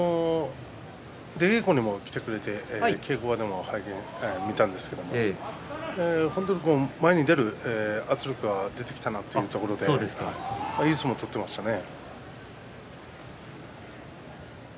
出稽古にも来てくれて稽古場でも見たんですけれど本当に前に出る圧力が出てきたなというところでいい相撲を取っていましたね。